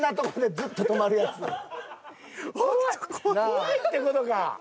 怖いってことか。